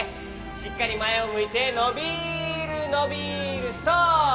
しっかりまえをむいてのびるのびるストップ！